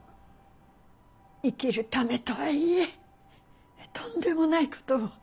生きるためとはいえとんでもないことを。